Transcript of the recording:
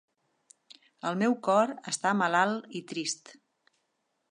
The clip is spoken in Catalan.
El meu cor està malalt i trist.